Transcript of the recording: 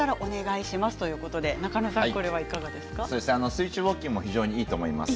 水中ウォーキングも非常にいいと思います。